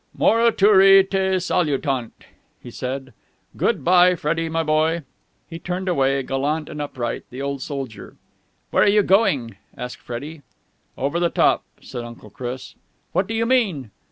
"Morituri te salutant!" he said. "Good bye, Freddie, my boy." He turned away, gallant and upright, the old soldier. "Where are you going?" asked Freddie. "Over the top!" said Uncle Chris. "What do you mean?"